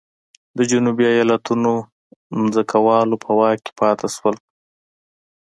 د جنوبي ایالتونو ځمکوالو په واک کې پاتې شول.